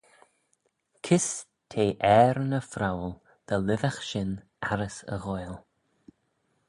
Kys t'eh er ny phrowal dy lhisagh shin arrys y ghoaill?